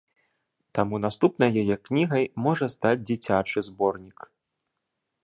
Таму наступнай яе кнігай можа стаць дзіцячы зборнік.